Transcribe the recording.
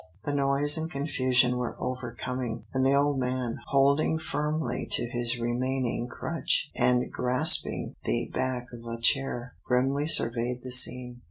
The noise and confusion were overcoming, and the old man, holding firmly to his remaining crutch, and grasping the back of a chair, grimly surveyed the scene.